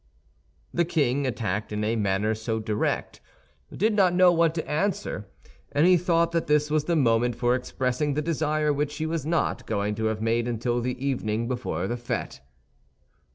The king, attacked in a manner so direct, did not know what to answer; and he thought that this was the moment for expressing the desire which he was not going to have made until the evening before the fête.